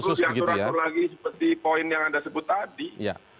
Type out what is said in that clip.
seperti poin yang anda sebut tadi